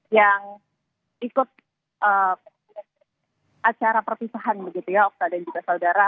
yang ikut acara perpisahan begitu ya okta dan juga saudara